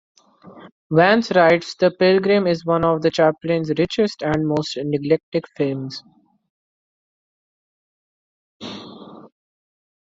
Vance writes, The Pilgrim is one of Chaplin's richest--and most neglected--films.